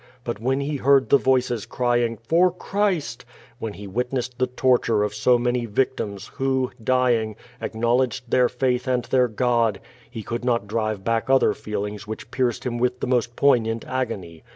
But when he heard the voices crying "For Christ!" — ^when he witnessed the torture of so many victims, who, (lying, acknowledged their faith and their God — ^he could not drive back other feelings which pierced him with the most poignant agony.